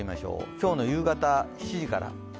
今日の夕方、７時から。